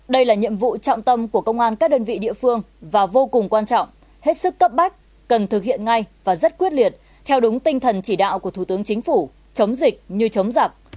đây là nhiệm vụ trọng tâm của công an các đơn vị địa phương và vô cùng quan trọng hết sức cấp bách cần thực hiện ngay và rất quyết liệt theo đúng tinh thần chỉ đạo của thủ tướng chính phủ chống dịch như chống giặc